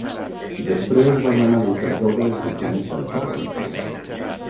Després va demanar el perdó de les víctimes del terrorisme.